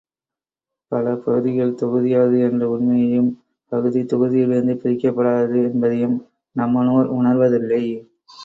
பல பகுதிகள் தொகுதியாகிறது என்ற உண்மையையும் பகுதி, தொகுதியிலிருந்து பிரிக்கப்படாதது என்பதையும் நம்மனோர் உணர்வதில்லை.